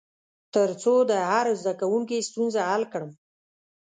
تر څو د هر زده کوونکي ستونزه حل کړم.